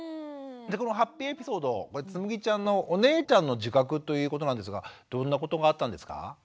このハッピーエピソードつむぎちゃんのお姉ちゃんの自覚ということなんですがどんなことがあったんですか？